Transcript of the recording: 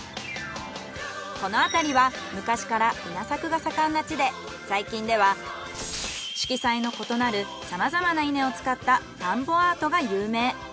このあたりは昔から稲作が盛んな地で最近では色彩の異なるさまざまな稲を使った田んぼアートが有名。